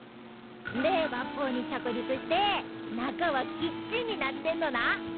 んで学校に着陸して中はキッチンになってんのな。